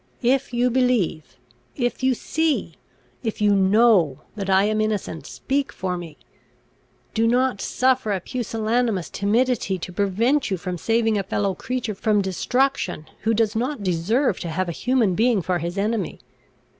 If you believe if you see if you know, that I am innocent, speak for me. Do not suffer a pusillanimous timidity to prevent you from saving a fellow creature from destruction, who does not deserve to have a human being for his enemy.